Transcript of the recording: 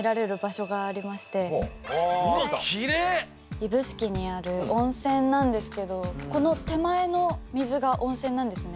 指宿にある温泉なんですけどこの手前の水が温泉なんですね。